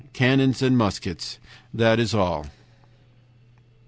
Cannons and muskets. That is all.